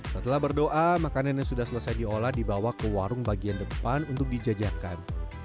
setelah berdoa makanan yang sudah selesai diolah dibawa ke warung bagian depan untuk dijajakan